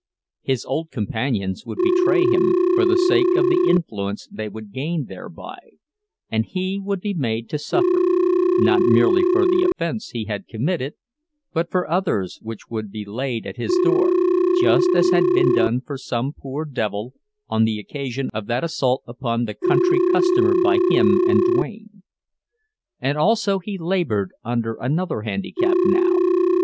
His old companions would betray him, for the sake of the influence they would gain thereby; and he would be made to suffer, not merely for the offense he had committed, but for others which would be laid at his door, just as had been done for some poor devil on the occasion of that assault upon the "country customer" by him and Duane. And also he labored under another handicap now.